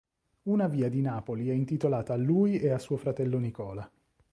Una via di Napoli è intitolata a lui e a suo fratello Nicola.